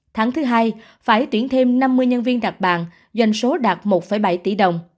tháng thứ hai phải tuyển thêm năm mươi nhân viên đặt bàn doanh số đạt một bảy tỷ đồng